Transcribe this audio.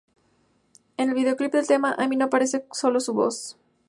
En el videoclip del tema, Amy no aparece, sólo su voz.